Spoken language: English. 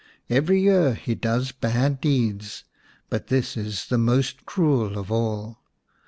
Every year he does bad deeds, but this is the most cruel of all.